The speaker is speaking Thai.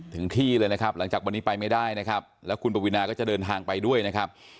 ถึงที่เลยนะครับหลังจากวันนี้ไปไม่ได้นะครับแล้วคุณปวีนาก็จะเดินทางไปด้วยนะครับ